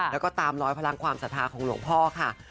แล้วก็ตามร้อยพลังความศรัทธาของหลวงพ่อค่ะ